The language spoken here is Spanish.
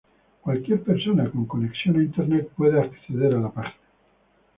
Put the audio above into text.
Cualquier persona con conexión a internet puede acceder a la página.